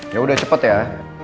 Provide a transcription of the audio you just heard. ya udah cepet ya